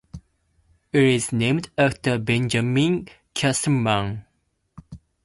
It is named after Benjamin Castleman.